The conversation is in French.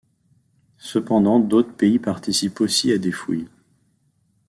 Cependant d'autres pays participent aussi à des fouilles.